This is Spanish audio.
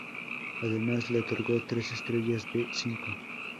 Además le otorgó tres estrellas de cinco.